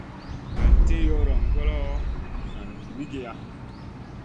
Nan tih yoron ŋolo, nan wikiya.